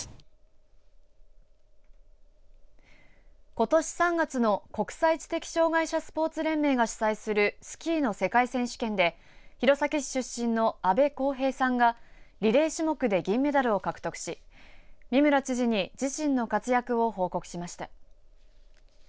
ことし３月の国際知的障害者スポーツ連盟が主催するスキーの世界選手権で弘前市出身の阿部昂平さんがリレー種目で銀メダルを獲得し三村知事に自身の活躍を報告しました。